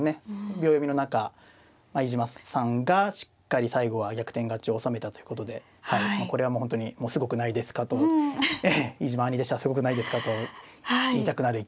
秒読みの中飯島さんがしっかり最後は逆転勝ちを収めたということでこれはもう本当に「すごくないですか」と「飯島兄弟子はすごくないですか」と言いたくなる一局でした。